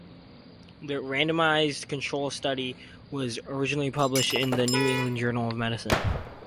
The randomized control study was originally published in the New England Journal of Medicine.